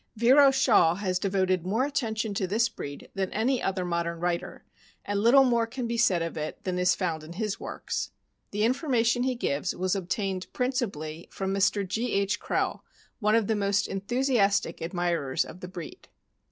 Vero Shaw has devoted more attention to this breed than any other modern writer, and little more can be said of it than is found in his works. The information he gives was obtained, principally, from Mr. G. H. Krehl, one of the most enthusiastic admirers of the breed.